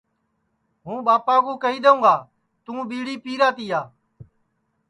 ہُوں ٻاپا کُو کیہیدؔیوں گا تُوں ٻِیڑی پِیرا تِیا